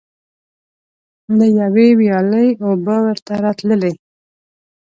له یوې ویالې اوبه ورته راتللې.